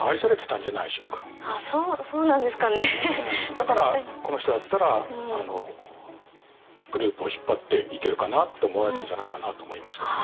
だからこの人だったらグループを引っ張っていけるかなって思われたんじゃないかなと思いますけどね。